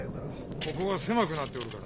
ここが狭くなっておるからな。